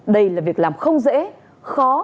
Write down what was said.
đây là việc làm không dễ khó